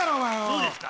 そうですか？